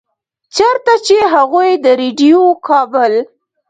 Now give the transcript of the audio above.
چرته چې هغوي د ريډيؤ کابل